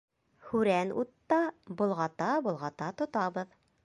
Һүрән утта болғата-болғата тотабыҙ.